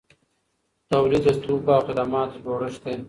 تولید د توکو او خدماتو جوړښت دی.